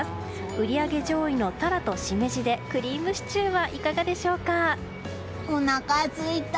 売り上げ上位のタラとシメジでクリームシチューはおなかすいた！